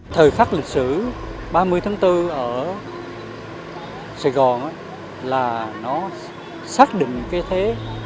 thời khắc lịch sử ba mươi tháng bốn ở sài gòn là nó xác định cái thế